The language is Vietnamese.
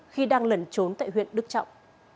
khi đang lẩn trốn tại huyện đức trọng